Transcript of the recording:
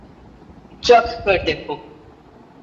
چکھ کر دیکھو